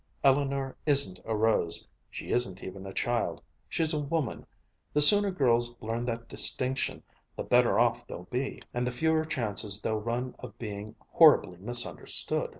Eleanor isn't a rose, she isn't even a child. She's a woman. The sooner girls learn that distinction, the better off they'll be, and the fewer chances they'll run of being horribly misunderstood."